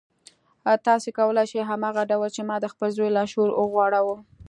تاسې کولای شئ هماغه ډول چې ما د خپل زوی لاشعور وغولاوه.